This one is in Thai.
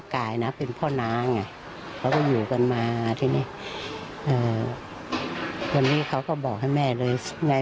กายนะเป็นพ่อน้าไงเขาก็อยู่กันมาทีนี้วันนี้เขาก็บอกให้แม่เลยใน